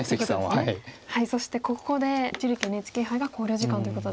そしてここで一力ＮＨＫ杯が考慮時間ということで。